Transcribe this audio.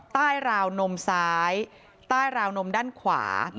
ใต้ราวนมซ้ายใต้ราวนมด้านขวา